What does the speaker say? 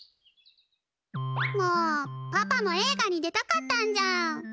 もうパパもえいがに出たかったんじゃん。